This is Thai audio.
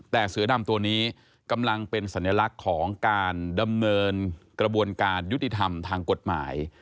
แต่เสือดำตัวนี้กำลังเป็นสัญลักษณ์ของการดำเนินกระบวนการยุติธรรมทางกฎหมาย